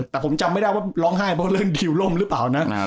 แต่ผมจำไม่ได้ว่าร้องไห้เพราะเรื่องดิวล่มหรือเปล่านะ